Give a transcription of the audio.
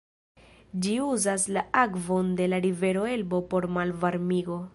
Ĝi uzas la akvon de la rivero Elbo por malvarmigo.